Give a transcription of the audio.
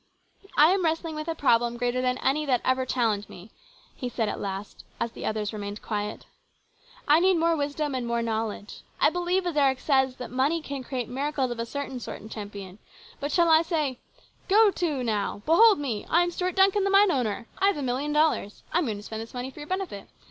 " I am wrestling with a problem greater than any that ever challenged me," he said at last, as the others 12 178 HIS BROTHER'S KEEPER. remained quiet. " I need more wisdom and more knowledge. I believe, as Eric says, that money can create miracles of a certain sort in Champion ; but shall I say, ' Go to, now ! Behold me ! I am Stuart Duncan, the mine owner. I have a million dollars. I am going to spend this money for your benefit.